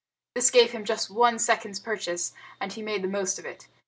This gave him just one second's purchase, and he made the most of it.